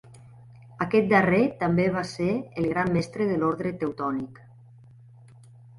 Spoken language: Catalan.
Aquest darrer també va ser el Gran Mestre de l'Ordre Teutònic.